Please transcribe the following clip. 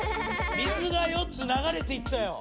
水が４つ流れていったよ！